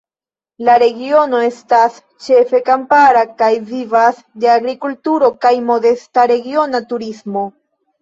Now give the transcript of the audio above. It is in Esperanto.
La regiono estas ĉefe kampara kaj vivas de agrikulturo kaj modesta regiona turismo.